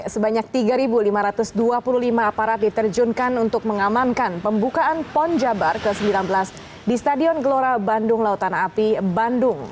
sebanyak tiga lima ratus dua puluh lima aparat diterjunkan untuk mengamankan pembukaan pon jabar ke sembilan belas di stadion gelora bandung lautan api bandung